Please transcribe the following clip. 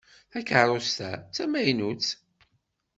Takeṛṛust-a d tamaynutt.